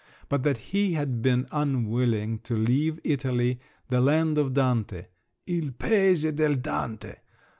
… but that he had been unwilling to leave Italy, the land of Dante—_il paese del Dante!